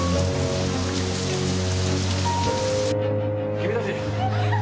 君たち。